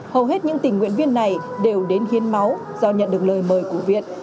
hầu hết những tình nguyện viên này đều đến hiến máu do nhận được lời mời của viện